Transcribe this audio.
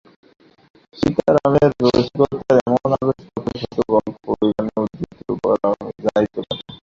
সীতারামের রসিকতার এমন আরো শত শত গল্প এইখানে উদ্ধৃত করা যাইতে পারে।